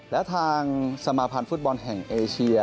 และทางสมาพันธ์ฟุตบอลแห่งเอเชีย